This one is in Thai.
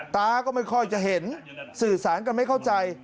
ตาก็ไม่ค่อยจะเห็นสื่อสารกันไม่เข้าใจ